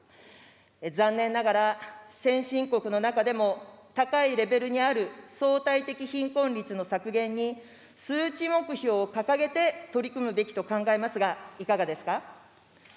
残念ながら、先進国の中でも高いレベルにある相対的貧困率の削減に、数値目標を掲げて取り組むべきと考えますが、いかがですか。